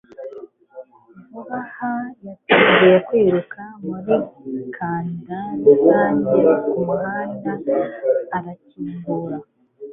vuba aha yatangiye kwiruka muri kanda rusange kumuhanda, arakingura